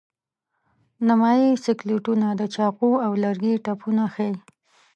نیمایي سکلیټونه د چاقو او لرګي ټپونه ښيي.